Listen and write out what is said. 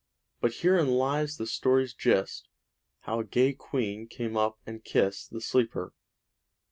But herein lies the story's gist, How a gay queen came up and kist The sleeper.